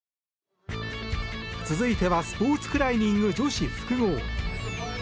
続いてはスポーツクライミング女子複合。